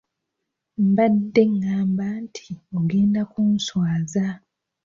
Mbadde ng'amba nti ogenda kunswaza.